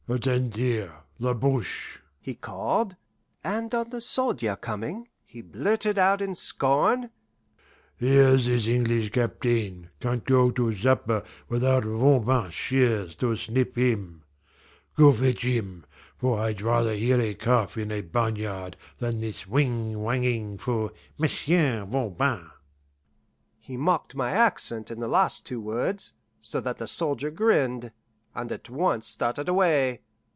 "Attend here, Labrouk!" he called; and on the soldier coming, he blurted out in scorn, "Here's this English captain can't go to supper without Voban's shears to snip him. Go fetch him, for I'd rather hear a calf in a barn yard than this whing whanging for 'M'sieu' Voban!'" He mocked my accent in the last two words, so that the soldier grinned, and at once started away.